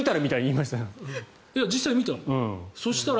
実際に見たの。